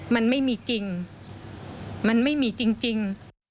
มันไม่มีจริงมันไม่มีจริง